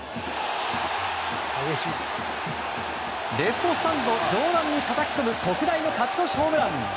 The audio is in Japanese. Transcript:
レフトスタンド上段にたたき込む特大の勝ち越しホームラン！